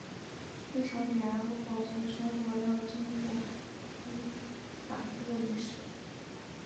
日常点燃和保存神火要经过繁复的仪式。